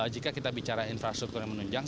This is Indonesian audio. jika kita bicara infrastruktur yang menunjang